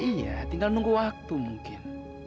iya tinggal nunggu waktu mungkin